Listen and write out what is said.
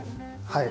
はい。